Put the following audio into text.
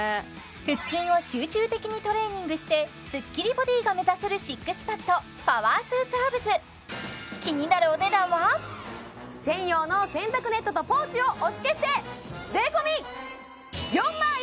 腹筋を集中的にトレーニングしてすっきりボディが目指せるＳＩＸＰＡＤパワースーツアブズ気になるお値段は専用の洗濯ネットとポーチをお付けして税込４万１８００円！